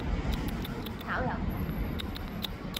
炒魷魚